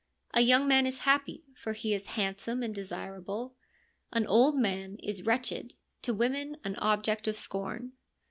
A young man is happy, for he is handsome and desirable ; an old man is wretched, to women an object of scorn.